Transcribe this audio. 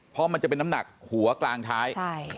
เพราะมันจะเป็นน้ำหนักหัวกลางท้าย